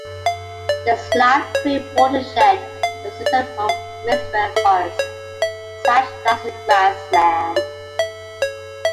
The Slough Creek watershed consists of mixed fir forest, sage flats and grassland.